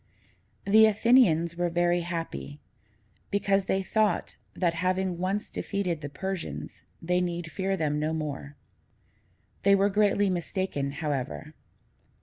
The Athenians were very happy, because they thought, that, having once defeated the Persians, they need fear them no more. They were greatly mistaken, however.